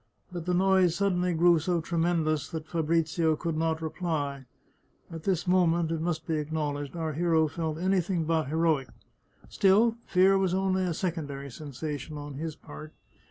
But the noise suddenly grew so tremendous that Fa brizio could not reply. At this moment, it must be acknowl edged, our hero felt anything but heroic. Still, fear was only a secondary sensation on his part.